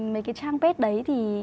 mấy cái trang page đấy thì